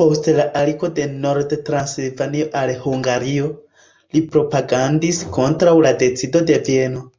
Post la aligo de Nord-Transilvanio al Hungario, li propagandis kontraŭ la decido de Vieno.